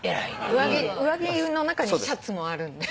上着の中にシャツもあるんで。